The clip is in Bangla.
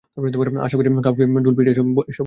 আশা করি কাউকে ঢোল পিটিয়ে এসব বলবে না।